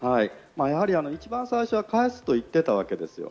一番最初は返すと言っていたわけです。